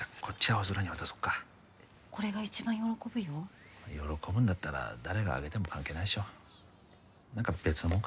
青空に渡そっかこれが一番喜ぶよ喜ぶんだったら誰があげても関係ないでしょ何か別のもの